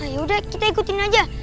yaudah kita ikutin aja